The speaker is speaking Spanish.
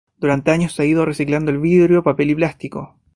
Durante años se ha reciclado el vidrio, papel y plástico.